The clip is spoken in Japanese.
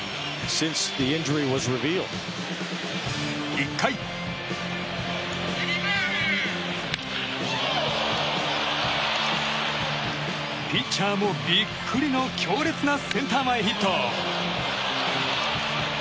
１回、ピッチャーもビックリの強烈なセンター前ヒット。